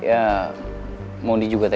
ya mau di jogja